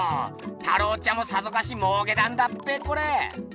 太郎ちゃんもさぞかしもうけたんだっぺコレ。